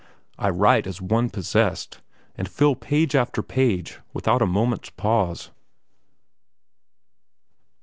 I write as one possessed, and fill page after page, without a moment's pause.